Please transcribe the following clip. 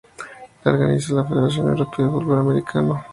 Lo organiza la Federación Europea de Fútbol Americano.